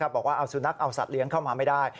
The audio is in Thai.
บอกว่าเอาสุนัขเอาสัตว์เลี้ยงเข้ามาไม่ได้